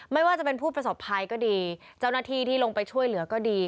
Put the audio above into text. ไม่ว่าจะเป็นผู้ประสบภัยก็ดีเจ้าหน้าที่ที่ลงไปช่วยเหลือก็ดี